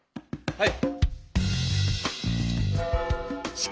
はい。